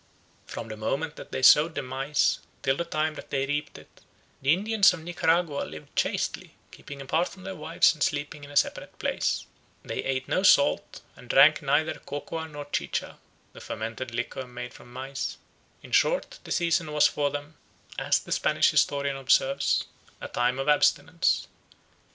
From the moment that they sowed the maize till the time that they reaped it, the Indians of Nicaragua lived chastely, keeping apart from their wives and sleeping in a separate place. They ate no salt, and drank neither cocoa nor chicha, the fermented liquor made from maize; in short the season was for them, as the Spanish historian observes, a time of abstinence.